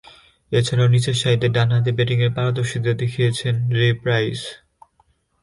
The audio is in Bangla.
এছাড়াও, নিচেরসারিতে ডানহাতে ব্যাটিংয়ে পারদর্শীতা দেখিয়েছেন রে প্রাইস।